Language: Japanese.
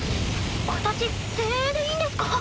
私前衛でいいんですか？